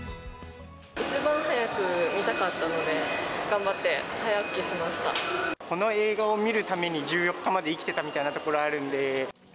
一番早く見たかったので、この映画を見るために、１４日まで生きてたみたいなところあるんで。